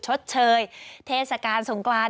ชดเชยเทศกาลสงกราน